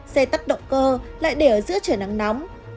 xe tắt động cơ lại để ở giữa trời nắng nóng